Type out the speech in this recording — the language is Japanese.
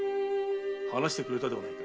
話してくれたではないか。